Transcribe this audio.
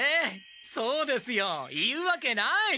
そうですよ言うわけない！